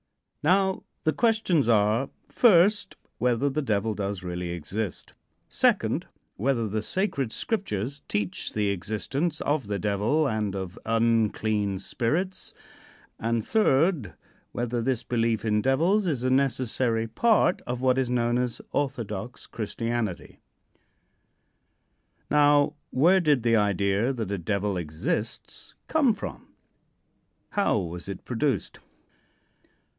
Now, the questions are, first, whether the Devil does really exist; second, whether the sacred Scriptures teach the existence of the Devil and of unclean spirits, and third, whether this belief in devils is a necessary part of what is known as "orthodox Christianity." Now, where did the idea that a Devil exists come from? How was it produced?